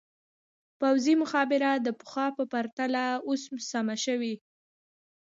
پوځي مخابره د پخوا په پرتله اوس سمه شوې.